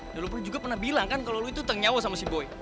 dan lu pun juga pernah bilang kan kalau lu itu teng nyawa sama si boy